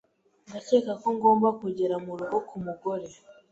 Ndakeka ko ngomba kugera murugo kumugore.